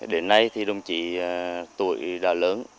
đến nay thì đồng chí tuổi đã lớn